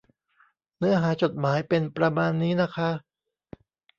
เนื้อหาจดหมายเป็นประมาณนี้นะคะ